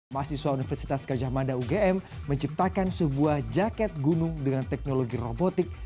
masih seorang universitas gajah manda ugm menciptakan sebuah jaket gunung dengan teknologi robotik